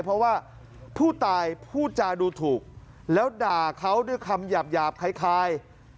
เพราะว่าผู้ตายพูดจาดูถูกแล้วด่าเขาด้วยคำหยาบคล้าย